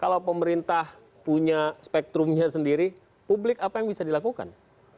kalau pemerintah punya spektrumnya sendiri publik apa yang bisa dilakukan